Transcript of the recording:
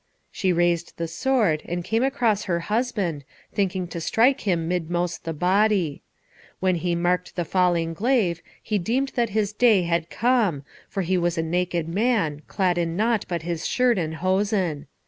She raised the sword, and came towards her husband, thinking to strike him midmost the body. When he marked the falling glaive he deemed that his day had come, for he was a naked man, clad in nought but his shirt and hosen.